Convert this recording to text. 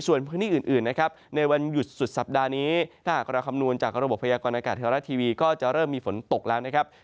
ส่วนพื้นที่อื่นนะครับในวันหยุดสุดสัปดาห์นี้ถ้าหากเราคำนวณจากระบบพยากรณากาศเทวรัฐทีวีก็จะเริ่มมีฝนตกแล้วนะครับ